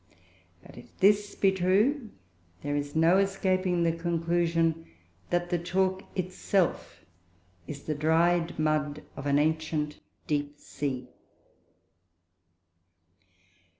But if this be true, there is no escaping the conclusion that the chalk itself is the dried mud of an ancient deep sea.